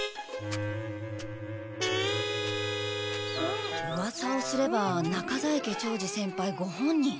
うわさをすれば中在家長次先輩ご本人。